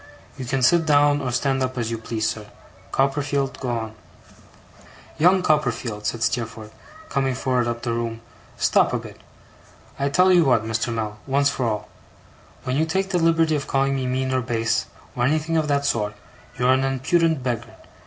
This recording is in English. You can sit down or stand up as you please, sir. Copperfield, go on.' 'Young Copperfield,' said Steerforth, coming forward up the room, 'stop a bit. I tell you what, Mr. Mell, once for all. When you take the liberty of calling me mean or base, or anything of that sort, you are an impudent beggar.